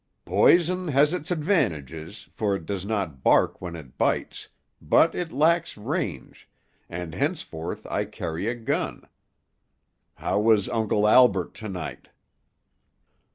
"Poison has its advantages, for it does not bark when it bites, but it lacks range, and henceforth I carry a gun. How was Uncle Albert to night?"